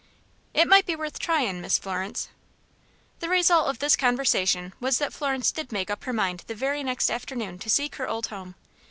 "It might be worth tryin', Miss Florence." The result of this conversation was that Florence did make up her mind the very next afternoon to seek her old home.